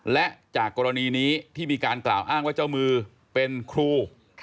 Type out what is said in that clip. และจากกรณีนี้ที่มีการกล่าวอ้างว่าเจ้ามือเป็นครู